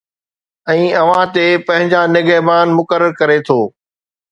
۽ اوهان تي پنهنجا نگهبان مقرر ڪري ٿو